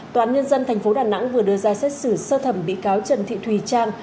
tòa án nhân dân tp đà nẵng vừa đưa ra xét xử sơ thẩm bị cáo trần thị thùy trang